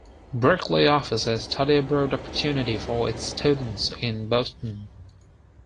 Berklee offers a study abroad opportunity for its students in Boston.